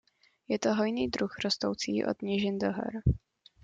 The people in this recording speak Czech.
Je to hojný druh rostoucí od nížin do hor.